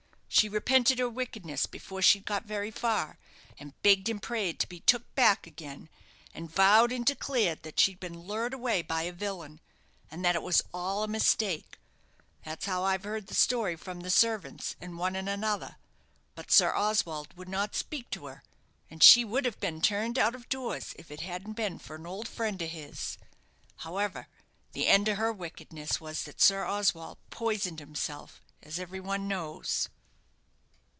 She repented her wickedness before she'd got very far, and begged and prayed to be took back again, and vowed and declared that she'd been lured away by a villain; and that it was all a mistake. That's how I've heard the story from the servants, and one and another. But Sir Oswald would not speak to her, and she would have been turned out of doors if it hadn't been for an old friend of his. However, the end of her wickedness was that Sir Oswald poisoned himself, as every one knows."